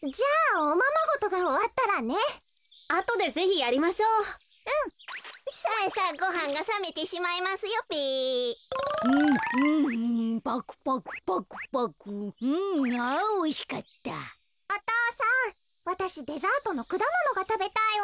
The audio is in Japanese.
おとうさんわたしデザートのくだものがたべたいわ。